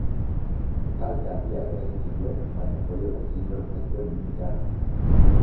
Kalte handiak eragin zituen baina, zorionez, inork ez zuen minik hartu.